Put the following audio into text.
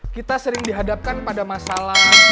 kita sering dihadapkan pada masalah